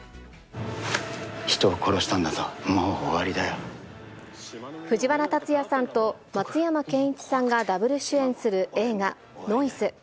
人を殺したんだぞ、もう終わ藤原竜也さんと松山ケンイチさんがダブル主演する映画、ノイズ。